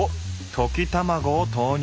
溶き卵を投入。